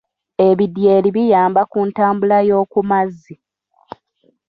Ebidyeri biyamba ku ntambula yo kumazzi.